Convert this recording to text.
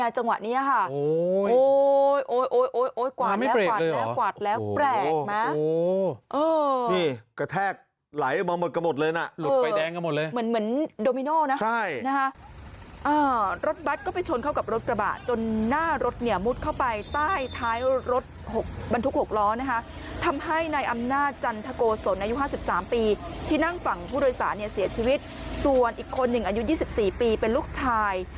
โชนแล้วมาแล้วค่ะโอ๊ย